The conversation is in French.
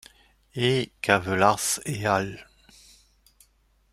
Et Kavelaars et al.